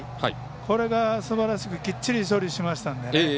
これがすばらしくきっちり処理しましたのでね。